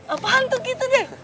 apaan tuh gitu deh